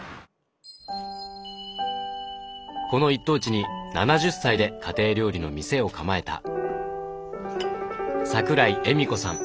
この一等地に７０歳で家庭料理の店を構えた桜井莞子さん。